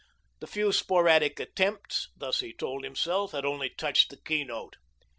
The few sporadic attempts, thus he told himself, had only touched the keynote.